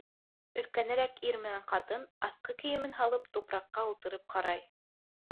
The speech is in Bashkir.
Өлкәнерәк ир менән ҡатын, аҫҡы кейемен һалып, тупраҡҡа ултырып ҡарай.